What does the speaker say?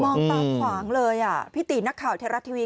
มองตาขวางเลยพี่ตีนนักข่าวเทราะทีวี